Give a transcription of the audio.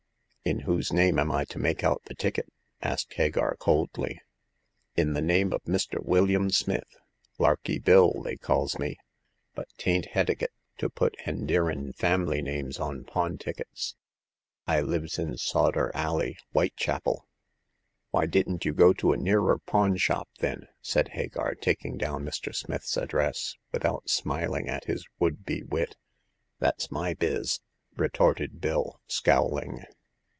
In whose name am I to make out the ticket ?" asked Hagar, coldly. In the name of Mister William Smith — Larky Bill they calls me ; but 'tain't hetiikit to put h'en dearin' family names on pawn tickets. I lives in Sawder Alley, Whitechapel." " Why didn't you go to a nearer pawn shop, then ?" said Hagar, taking down Mr. Smith's address, without smiling at his would be wit. " That's my biz !" retorted Bill, scowling.